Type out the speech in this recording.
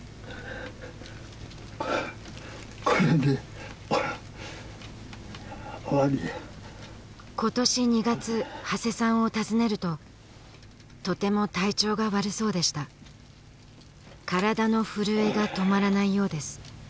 これで終わりや今年２月長谷さんを訪ねるととても体調が悪そうでした体の震えが止まらないようです